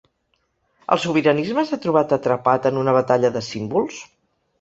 El sobiranisme s’ha trobat atrapat en una batalla de símbols?